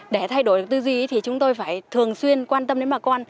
để thay đổi được tư duy thì chúng tôi phải thường xuyên quan tâm đến bà con